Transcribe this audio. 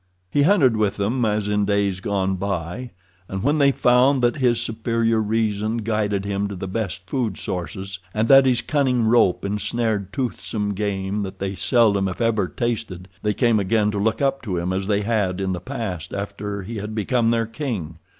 He hunted with them as in days gone by, and when they found that his superior reason guided him to the best food sources, and that his cunning rope ensnared toothsome game that they seldom if ever tasted, they came again to look up to him as they had in the past after he had become their king.